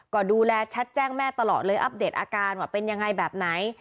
ก็ดูแลแชทแจ้งแม่ตลอดเลยอัปเดตอาการว่าเป็นยังไงแบบไหน